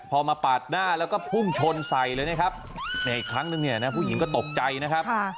พอมาปาดหน้าแล้วก็พุ่งชนใส่เลยนะครับในอีกครั้งนึงเนี่ยนะผู้หญิงก็ตกใจนะครับ